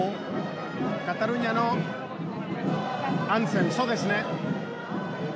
カタルーニャのアンセムそうですね。